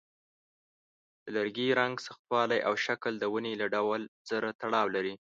د لرګي رنګ، سختوالی، او شکل د ونې له ډول سره تړاو لري.